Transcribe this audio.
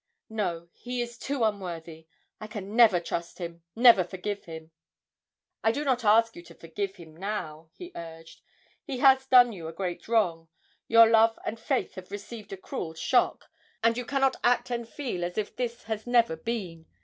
No, he is too unworthy, I can never trust him, never forgive him!' 'I do not ask you to forgive him now,' he urged; 'he has done you a great wrong, your love and faith have received a cruel shock; and you cannot act and feel as if this had never been.